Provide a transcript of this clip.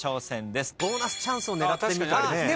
ボーナスチャンスを狙ってみたりね。